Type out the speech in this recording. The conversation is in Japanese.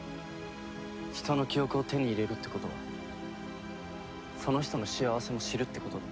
人の記憶を手に入れるってことはその人の幸せも知るってことだ。